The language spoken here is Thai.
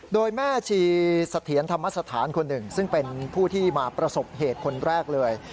โดยแม่ชีเสถียรธรรมสถานคนหนึ่งซึ่งเป็นผู้ที่มาประสบเหตุคนแรกเลย